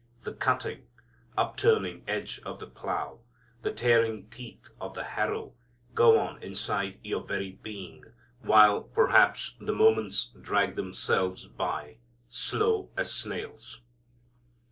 The cutting, upturning edge of the plow, the tearing teeth of the harrow, go on inside your very being, while perhaps the moments drag themselves by, slow as snails.